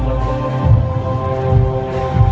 สโลแมคริปราบาล